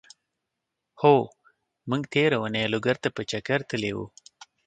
هو! مونږ تېره اونۍ لوګر ته په چګر تللی وو.